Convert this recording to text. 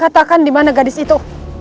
katakan dimana gadis itu